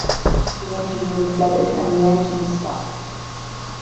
The engine room flooded and the engines stopped.